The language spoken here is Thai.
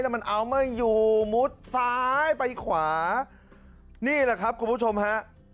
มันเอาไม่อยู่มุดซ้ายไปขวานี่แหละครับคุณผู้ชมฮะ